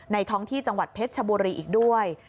ท้องที่จังหวัดเพชรชบุรีอีกด้วย